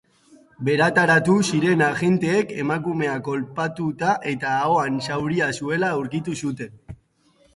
Berataratu ziren agenteek emakumea kolpatuta eta ahoan zauria zuela aurkitu zuten.